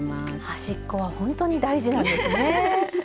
端っこはほんとに大事なんですね。